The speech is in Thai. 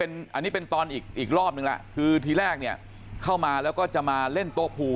อันนี้เป็นตอนอีกรอบนึงแล้วคือทีแรกเนี่ยเข้ามาแล้วก็จะมาเล่นโต๊ะภู